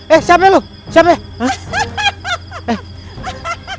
eh siapanya lu siapanya